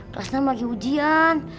kelas enam lagi ujian